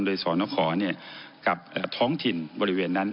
โดยสนขอกับท้องถิ่นบริเวณนั้น